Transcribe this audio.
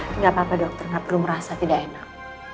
tidak apa apa dokter saya baru merasa tidak enak